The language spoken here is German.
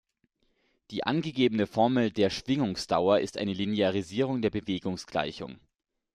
Die angegebene Formel der Schwingungsdauer ist eine Linearisierung der Bewegungsgleichung.